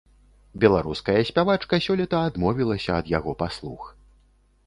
Беларуская спявачка сёлета адмовілася ад яго паслуг.